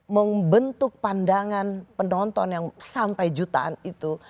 membentuk pandangan penonton yang sampai jutaan itu